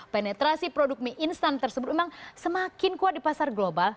penetrasi produk mie instan tersebut memang semakin kuat di pasar global